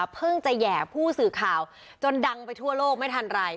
เพิ่งจะแห่ผู้สื่อข่าวจนดังไปทั่วโลกไม่ทันไร